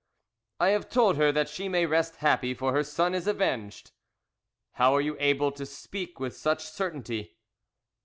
"I have told her that she may rest happy, for her son is avenged." "How are you able to speak with such certainty?"